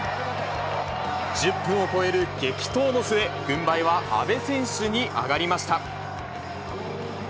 １０分を超える激闘の末、軍配は阿部選手に上がりました。